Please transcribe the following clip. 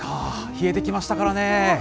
冷えてきましたからね。